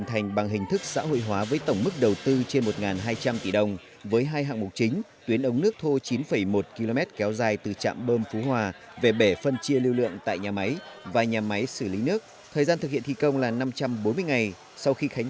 hà nội hà nội hà nội hà nội hà nội